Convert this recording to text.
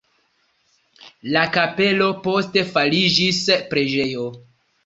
La kapelo poste fariĝis preĝejo.